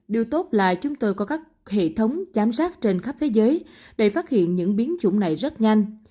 điều tốt là chúng tôi có các hệ thống giám sát trên khắp thế giới để phát hiện những biến chủng này rất nhanh